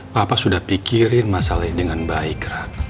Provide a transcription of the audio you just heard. papa sudah pikirin masalahnya dengan baik